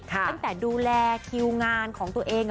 ตั้งแต่ดูแลคิวงานของตัวเอง